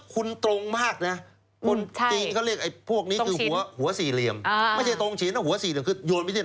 คุณอินตรงชิ้นไม่ใช่ตรงชิ้นหัวสี่เหลี่ยมคือโยนไว้ที่ไหนหยุดที่นั่น